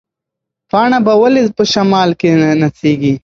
پاڼه به ولې په شمال کې نڅېږي؟